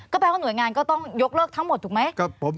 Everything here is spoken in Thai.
แปลว่าหน่วยงานก็ต้องยกเลิกทั้งหมดถูกไหม